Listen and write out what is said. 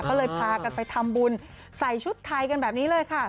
ก็เลยพากันไปทำบุญใส่ชุดไทยกันแบบนี้เลยค่ะ